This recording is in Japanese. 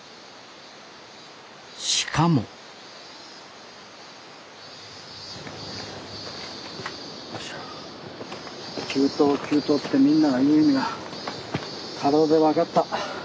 しかも急登急登ってみんなが言う意味が体で分かった。